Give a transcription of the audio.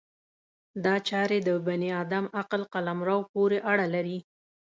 دا چارې د بني ادم عقل قلمرو پورې اړه لري.